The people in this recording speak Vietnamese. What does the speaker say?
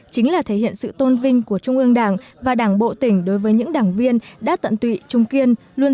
chính là thể hiện sự tôn vinh của trung ương đảng và đảng bộ tỉnh đối với những đảng viên đã tận tụy trung kiên